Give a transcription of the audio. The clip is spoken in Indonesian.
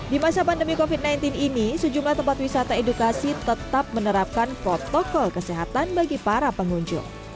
di masa pandemi covid sembilan belas ini sejumlah tempat wisata edukasi tetap menerapkan protokol kesehatan bagi para pengunjung